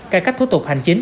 cải cách thu tục hành chính